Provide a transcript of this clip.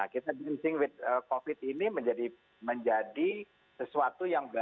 kita dancing with covid ini menjadi sesuatu yang berbeda